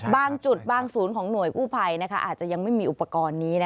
บางจุดบางศูนย์ของหน่วยกู้ภัยอาจจะยังไม่มีอุปกรณ์นี้